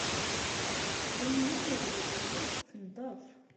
Yamina n Yiɣil Ubeṛwaq tenḍeb.